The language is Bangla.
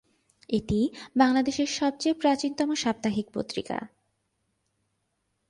এটি বাংলাদেশের সবচেয়ে প্রাচীনতম সাপ্তাহিক পত্রিকা।